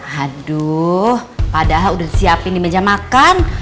haduh padahal udah siapin di meja makan